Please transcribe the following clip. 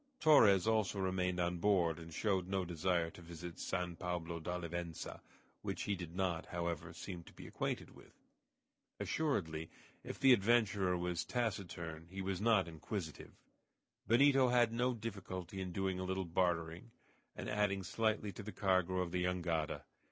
Torres also remained on board, and showed no desire to visit San Pablo d'Olivença, which he did not, however, seem to be acquainted with. Assuredly if the adventurer was taciturn he was not inquisitive. Benito had no difficulty in doing a little bartering, and adding slightly to the cargo of the jangada.